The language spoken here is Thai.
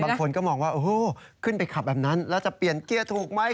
บางคนก็มองว่าโอ้โหขึ้นไปขับแบบนั้นแล้วจะเปลี่ยนเกียร์ถูกไหม